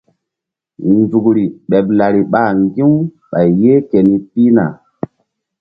Nzukri ɓeɓ lari ɓa ŋgi̧-u ɓay yeh keni pihna.